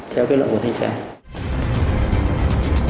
theo kết luận của thanh tra